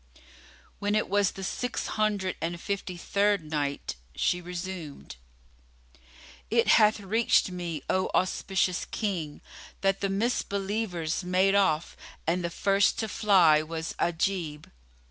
When it was the Six Hundred and Fifty third Night, She resumed, It hath reached me, O auspicious King, that the Misbelievers made off and the first to fly was Ajib.